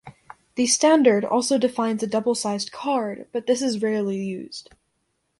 The standard also defines a double-sized card, but this is rarely used.